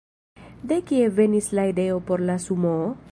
De kie venis la ideo por la sumoo?